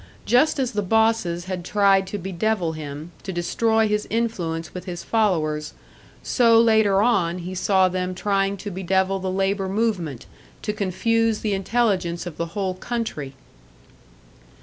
Just as the bosses had tried to bedevil him, to destroy his influence with his followers, so later on he saw them trying to bedevil the labour movement, to confuse the intelligence of the whole country.